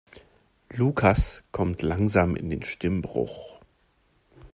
Lukas kommt langsam in den Stimmbruch.